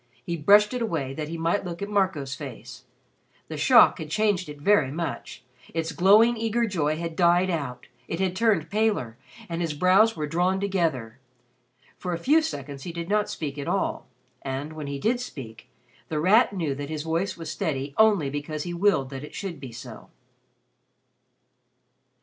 He brushed it away that he might look at Marco's face. The shock had changed it very much. Its glowing eager joy had died out, it had turned paler and his brows were drawn together. For a few seconds he did not speak at all, and, when he did speak, The Rat knew that his voice was steady only because he willed that it should be so.